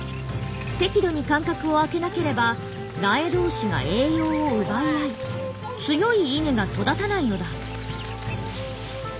適度に間隔を空けなければ苗同士が栄養を奪い合い強い稲が育たないのだ。